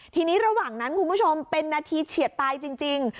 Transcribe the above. ทีนี้ระหว่างนั้นคุณผู้ชมเป็นนาทีเฉียดตายจริง